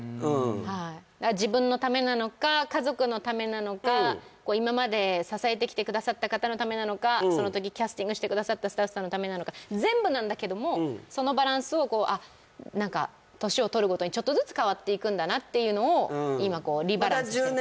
はいだから自分のためなのか家族のためなのか今まで支えてきてくださった方のためなのかその時キャスティングしてくださったスタッフさんのためなのか全部なんだけどもそのバランスを何か年をとるごとにちょっとずつ変わっていくんだなっていうのを今リバランスしてる感じ